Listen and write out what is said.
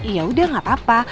ya udah gak apa apa